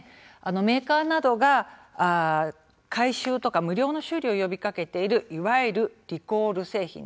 メーカーなどが回収とか無料の修理を呼びかけているいわゆるリコール製品なんです。